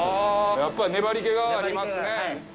やっぱり粘り気がありますね。